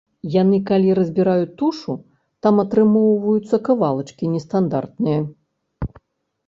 Яны калі разбіраюць тушу, там атрымоўваюцца кавалачкі нестандартныя.